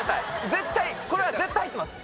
絶対これは絶対入ってます。